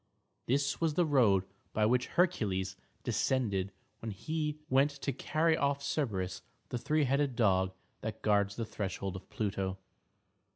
This was the road by which Hercules descended when he went to carry off Cerberus, the three headed dog that guards the threshold of Pluto.